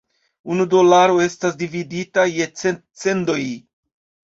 Unu dolaro estas dividita je cent "cendoj".